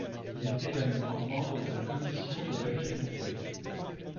Il est également membre de la Commission de l'Agriculture.